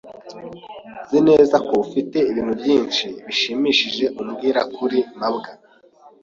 Nzi neza ko ufite ibintu byinshi bishimishije umbwira kuri mabwa.